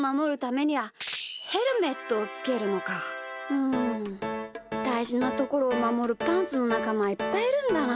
うんだいじなところをまもるパンツのなかまはいっぱいいるんだな。